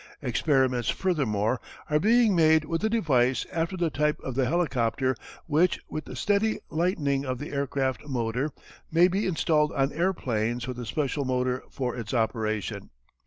Experiments furthermore are being made with a device after the type of the helicopter which with the steady lightening of the aircraft motor, may be installed on airplanes with a special motor for its operation.